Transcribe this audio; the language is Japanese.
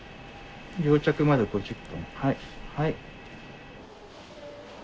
病着まで５０分。